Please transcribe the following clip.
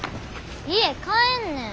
家帰んねん。